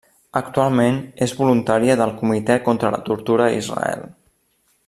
Actualment és voluntària del Comitè Contra la Tortura a Israel.